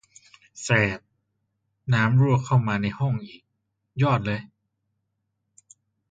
แสรด น้ำรั่วเข้ามาในห้องอีก ยอดเลย